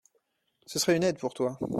Ce serait une aide pour toi.